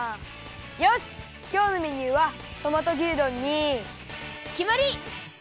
よしきょうのメニューはトマト牛丼にきまり！